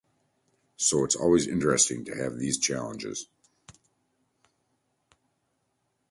So it’s always interesting to have these challenges!